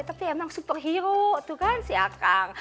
tapi emang superhero tuh kan si akang